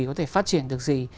có thể phát triển được gì